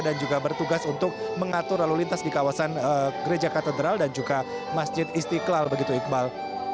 dan juga bertugas untuk mengatur lalu lintas di kawasan gereja katedral dan juga masjid istiqlal begitu iqbal